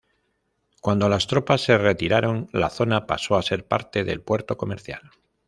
Cuando las tropas se retiraron, la zona pasó a ser parte del puerto comercial.